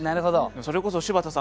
それこそ柴田さん